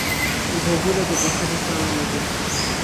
غوږونه د بښنې تمه لري